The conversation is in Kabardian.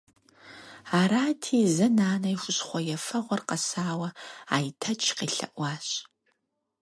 Арати, зэ нанэ и хущхъуэ ефэгъуэр къэсауэ Айтэч къелъэӀуащ.